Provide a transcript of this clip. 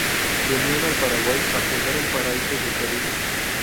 Venían al Paraguay a fundar "un paraíso socialista".